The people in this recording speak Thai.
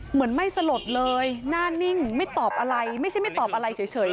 เหมือนไม่สลดเลยหน้านิ่งไม่ตอบอะไรไม่ใช่ไม่ตอบอะไรเฉย